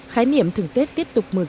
khái niệm thưởng tết tiếp tục mở rộng